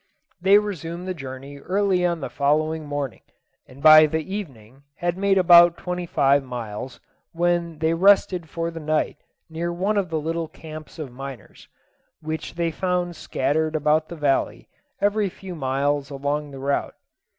They resumed the journey early on the following morning, and by the evening had made about twenty five miles, when they rested for the night near one of the little camps of miners, which they found scattered about the valley every few miles along the route.